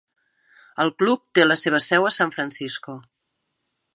El club té la seva seu a San Francisco.